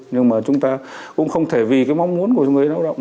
nhưng mà chúng ta cũng không thể vì cái mong muốn của người lao động